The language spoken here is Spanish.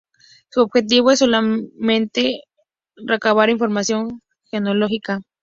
Su objetivo es solamente recabar información genealógica.